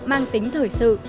mang tính thời sự